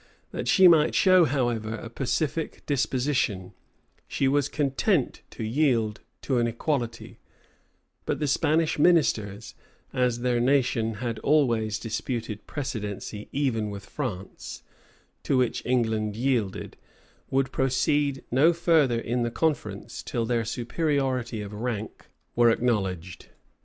That she might show, however, a pacific disposition, she was content to yield to an equality; but the Spanish ministers, as their nation had always disputed precedency even with France, to which England yielded, would proceed no further in the conference till their superiority of rank were acknowledged.